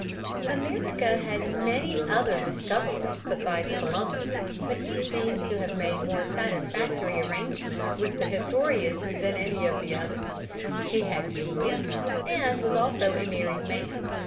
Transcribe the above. America had many other discoverers besides Columbus, but he seems to have made more satisfactory arrangements with the historians than any of the others. He had genius, and was also a married man.